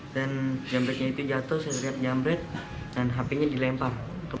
dan jambretnya itu jatuh saya lihat jambret dan hpnya dilempar